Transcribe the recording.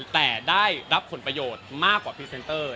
แต่ได้รับผลประโยชน์มากกว่าพรีเซนเตอร์